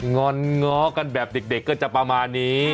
งอนง้อกันแบบเด็กก็จะประมาณนี้